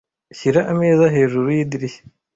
Shyira ameza hejuru yidirishya.